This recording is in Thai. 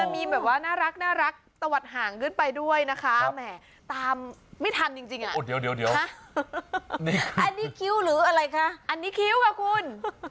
มีแบบว่าน่ารักน่ารักตวัดห่างขึ้นไปด้วยนะคะแหม่ตามไม่ทันจริงจริงอ่ะเดี๋ยวเดี๋ยวเดี๋ยวอันนี้คิ้วหรืออะไรคะอันนี้คิ้วกับคุณอ๋อ